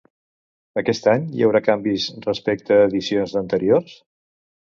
Aquest any hi haurà canvis respecte edicions d'anteriors?